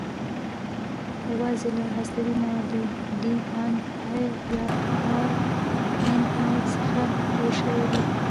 یواځې له هستوي موادو ډي ان اې یا ار ان اې څخه جوړ وي.